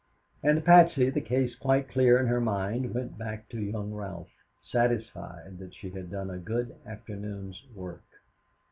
And Patsy, the case quite clear in her mind, went back to Young Ralph, satisfied that she had done a good afternoon's work.